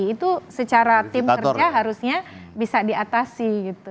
itu secara tim kerja harusnya bisa diatasi gitu